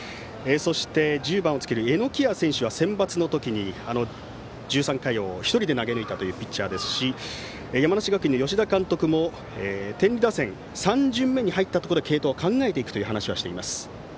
そして、１０番の榎谷選手はセンバツの時に、１３回を１人で投げ抜いたピッチャーですし山梨学院の吉田監督も天理打線３巡目に入ったところで継投を考えていくという話をしています。